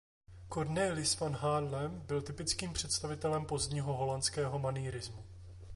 Cornelis van Haarlem byl typickým představitelem pozdního holandského manýrismu.